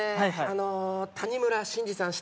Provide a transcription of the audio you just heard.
あの谷村新司さん